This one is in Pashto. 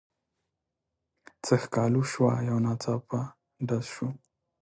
څه ښکالو شوه یو ناڅاپه ډز شو.